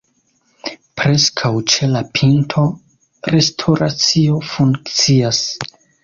Preskaŭ ĉe la pinto restoracio funkcias.